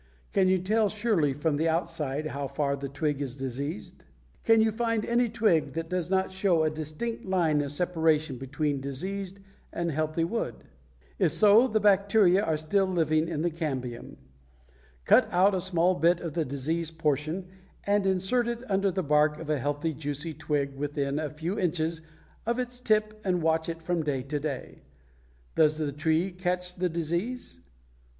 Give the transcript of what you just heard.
Can you tell surely from the outside how far the twig is diseased? Can you find any twig that does not show a distinct line of separation between diseased and healthy wood? If so, the bacteria are still living in the cambium. Cut out a small bit of the diseased portion and insert it under the bark of a healthy, juicy twig within a few inches of its tip and watch it from day to day. Does the tree catch the disease?